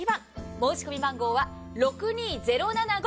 申し込み番号は６２０７５。